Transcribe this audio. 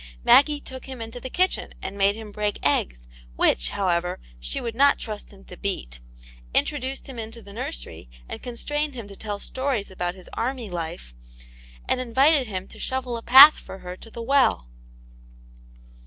Maggie took him into the kitchen and made him break eggs, which, how ever, she would not trust him to beat; introduced him into the nursery and constrained him to tell stories about his army life; and invited him to shovel a path for her to the well.